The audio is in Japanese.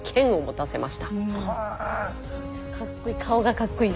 かっこいい。